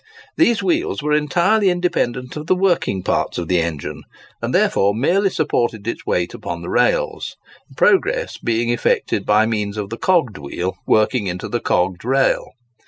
These wheels were entirely independent of the working parts of the engine, and therefore merely supported its weight upon the rails, the progress being effected by means of the cogged wheel working into the cogged rail.